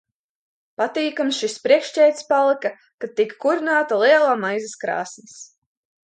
Patīkams šis priekšķēķis palika, kad tika kurināta lielā maizes krāsns.